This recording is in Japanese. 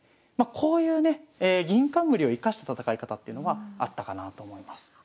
まこういうね銀冠を生かした戦い方っていうのはあったかなと思います。